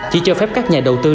chỉ cho phép các nhà đầu tư